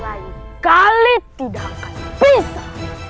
lain kali tidak akan bisa